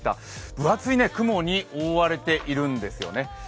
分厚い雲に覆われているんですよね。